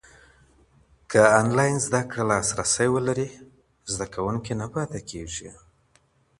که انلاین زده کړه لاسرسی ولري، زده کوونکی نه پاته کېږي.